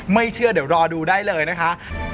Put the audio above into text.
ไม่เชื่อเดี๋ยวรอดูได้เลยนะคะ